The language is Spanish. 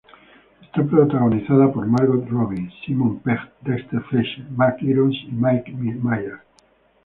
Es protagonizada por Margot Robbie, Simon Pegg, Dexter Fletcher, Max Irons, y Mike Myers.